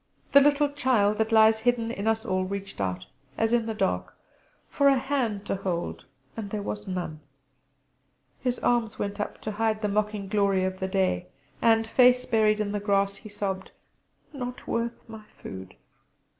The little child that lies hidden in us all reached out as in the dark for a hand to hold; and there was none. His arms went up to hide the mocking glory of the day, and, face buried in the grass, he sobbed: "Not worth my food!"